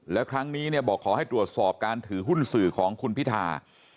แล้วครั้งนี้เนี่ยบอกขอให้ตรวจสอบการถือหุ้นสื่อของคุณพิธา